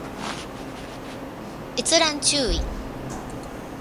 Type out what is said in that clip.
閲覧注意